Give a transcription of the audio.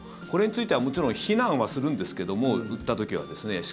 これについてはもちろん非難はするんですけども撃った時はですね。